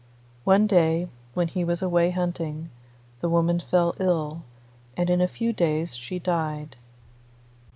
One day, when he was away hunting, the woman fell ill, and in a few days she died.